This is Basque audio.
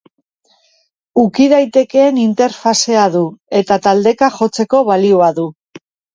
Uki daitekeen interfazea du eta taldeka jotzeko balio du.